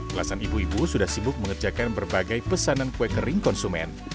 belasan ibu ibu sudah sibuk mengerjakan berbagai pesanan kue kering konsumen